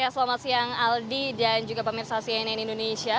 selamat siang aldi dan juga pemirsa cnn indonesia